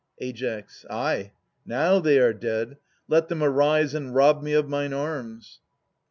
Ai. Ay, now they are dead. Let them arise and rob me of mine arms